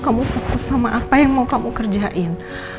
kamu fokus sama apa yang mau kamu kerjain